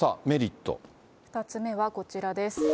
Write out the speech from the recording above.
２つ目はこちらです。